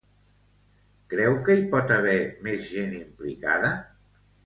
Creu que hi pot haver més gent implicada?